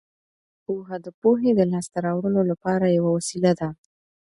پوهه د پوهې د لاسته راوړلو لپاره یوه وسیله ده.